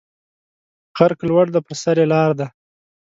غر که لوړ دی پر سر یې لار ده